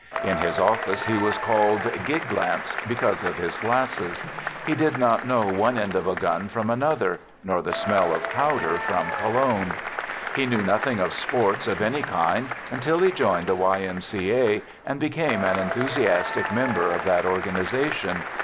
In his office he was called " Gig Lamps," because of his glasses. He did not know one end of a gun from another, nor the smell of powder from cologne. He knew nothing of sports of any kind until he joined the Y. M. C A., and became an enthusiastic member of that organization.